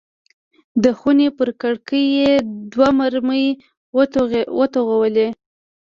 د خونې پر کړکۍ یې دوه مرمۍ وتوغولې.